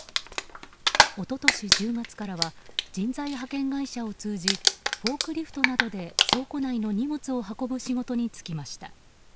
一昨年１０月からは人材派遣会社を通じフォークリフトなどで倉庫内の荷物を運ぶ仕事に就きました。